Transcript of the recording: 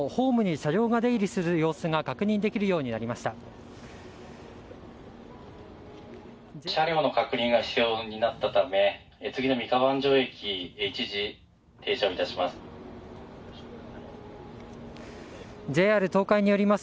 車両の確認が必要になったため次の三河安城駅に一時停車いたします。